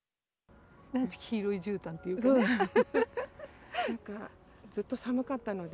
黄色いじゅうたんというかね。